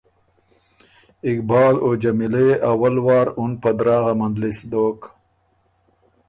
اقبال او جمیلۀ يې اول وار اُن په دراغه مندلِس دوک۔